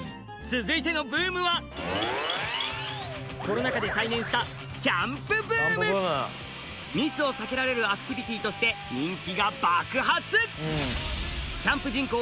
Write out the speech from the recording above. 続いてのブームはコロナ禍で再燃した密を避けられるアクティビティーとして人気が爆発！